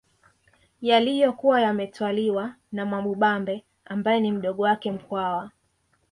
Yaliyokuwa yametwaliwa na Mwamubambe ambaye ni mdogo wake Mkwawa